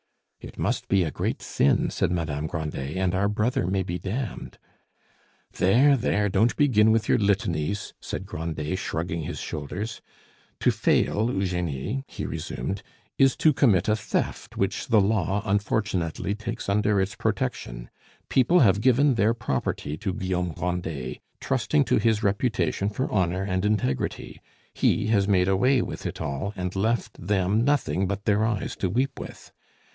"It must be a great sin," said Madame Grandet, "and our brother may be damned." "There, there, don't begin with your litanies!" said Grandet, shrugging his shoulders. "To fail, Eugenie," he resumed, "is to commit a theft which the law, unfortunately, takes under its protection. People have given their property to Guillaume Grandet trusting to his reputation for honor and integrity; he has made away with it all, and left them nothing but their eyes to weep with.